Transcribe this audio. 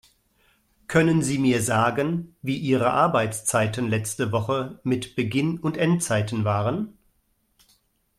Können sie mir sagen, wir ihre Arbeitszeiten letzte Woche mit Beginn und Endzeiten waren?